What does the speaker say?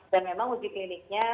dan memang uji kliniknya